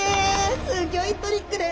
すギョいトリックです。